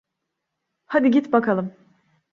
Hadi git bakalım.